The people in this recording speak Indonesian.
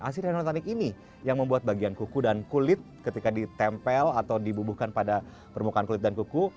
asin henotanik ini yang membuat bagian kuku dan kulit ketika ditempel atau dibubuhkan pada permukaan kulit dan kuku